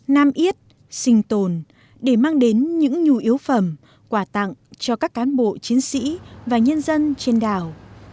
nam yết sinh tồn để mang đến những nhu yếu phẩm quà tặng cho các cán bộ chiến sĩ và nhân dân trên đảo